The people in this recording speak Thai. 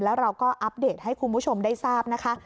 แล้วเราก็อัปเดตให้คุณผู้ชมได้ทราบนะคะ